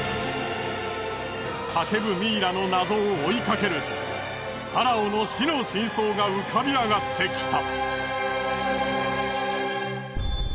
叫ぶミイラの謎を追いかけるとファラオの死の真相が浮かび上がってきた。